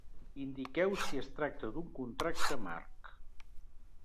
Indiqueu si es tracta d'un contracte marc.